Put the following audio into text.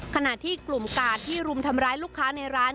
ขณะที่กลุ่มกาดที่รุมทำร้ายลูกค้าในร้าน